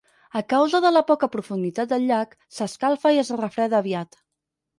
A causa de la poca profunditat del llac, s'escalfa i es refreda aviat.